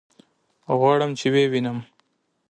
غواړم چې ويې وينم.